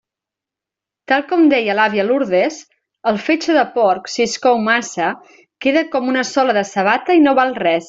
Tal com deia l'àvia Lourdes, el fetge de porc, si es cou massa, queda com una sola de sabata i no val res.